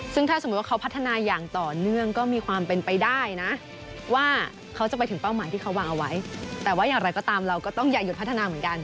ซึ่งถ้าสมมุติว่าเขาพัฒนาอย่างต่อเนื่องก็มีความเป็นไปได้นะว่าเขาจะไปถึงเป้าหมายที่เขาวางเอาไว้แต่ว่าอย่างไรก็ตามเราก็ต้องอย่าหยุดพัฒนาเหมือนกัน